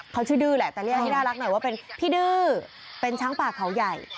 เขาชื่อดื้อแหละแต่เรียกให้น่ารักหน่อยว่าเป็นพี่ดื้อเป็นช้างป่าเขาใหญ่